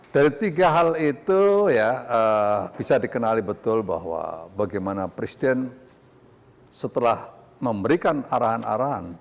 dari tiga hal itu bisa dikenali betul bahwa bagaimana presiden setelah memberikan arahan arahan